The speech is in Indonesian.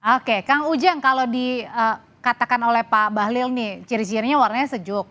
oke kang ujang kalau dikatakan oleh pak bahlil nih ciri cirinya warnanya sejuk